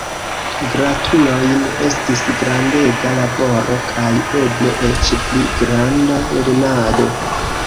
Gratulojn estis grandega laboro kaj eble eĉ pli granda lernado!